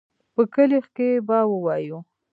په کلي کښې به ووايو.